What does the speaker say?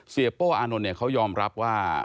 เสียโป้อานนท์เขายอมรับว่า